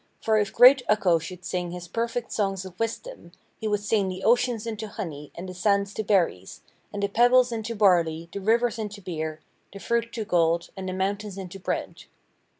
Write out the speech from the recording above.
For if great Ukko should sing his perfect songs of wisdom, he would sing the oceans into honey and the sands to berries, and the pebbles into barley, the rivers into beer, the fruit to gold, and the mountains into bread.